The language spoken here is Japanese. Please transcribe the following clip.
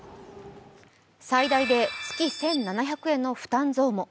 最大で月１７００円の負担増も。